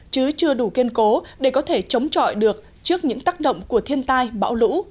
chứ chưa đủ kiên cố để có thể chống chọi được trước những tác động của thiên tai bão lũ